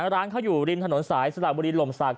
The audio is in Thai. ร้านเขาอยู่ริมถนนสายสลากบุรีโลมศัพท์